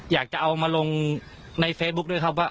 อยากจะเอามาลงในเฟซบุ๊คด้วยครับว่า